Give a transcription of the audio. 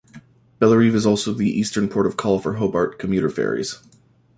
Bellerive is also the eastern port of call for Hobart commuter ferries.